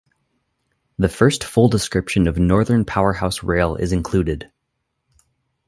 The first full description of Northern Powerhouse Rail is included.